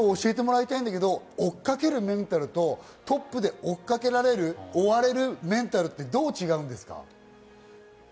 追っかけるメンタルと、トップで追っかけられる、追われるメンタルってどう違うんですか？